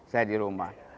saya di rumah